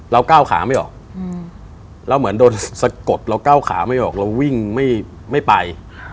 ก้าวขาไม่ออกเราเหมือนโดนสะกดเราก้าวขาไม่ออกเราวิ่งไม่ไป